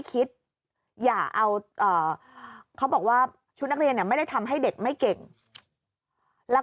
คิดอย่าเอาเขาบอกว่าชุดนักเรียนเนี่ยไม่ได้ทำให้เด็กไม่เก่งแล้ว